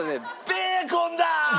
ベーコンだ！！